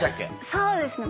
そうですね。